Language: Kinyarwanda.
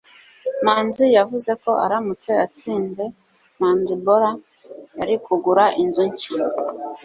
manzi yavuze ko aramutse atsinze manzibola, yari kugura inzu nshya